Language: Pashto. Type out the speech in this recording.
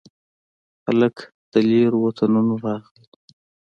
هلک د لیرو وطنونو راغلي